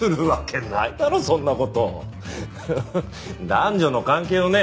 男女の関係をね